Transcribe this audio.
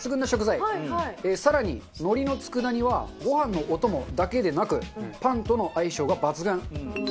更に海苔の佃煮はご飯のお供だけでなくパンとの相性が抜群。